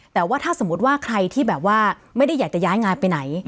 แต่ว่าถ้าสมมุติว่าใครที่แบบว่าไม่ได้อยากจะย้ายงานไปไหน